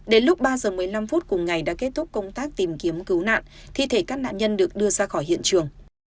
đến lúc ba h một mươi năm phút cùng ngày đã kết thúc công tác tìm kiếm cứu nạn thi thể các nạn nhân được đưa ra khỏi hiện trường